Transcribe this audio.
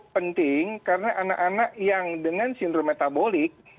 penting karena anak anak yang dengan sindrom metabolik